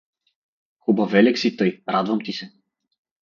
— Хубавелек си тъй, радвам ти се.